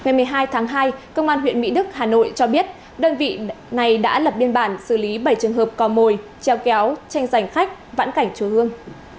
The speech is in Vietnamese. ngày một mươi hai tháng hai công an huyện mỹ đức hà nội cho biết đơn vị này đã lập biên bản xử lý bảy trường hợp cò mồi treo kéo tranh giành khách vãn cảnh chùa hương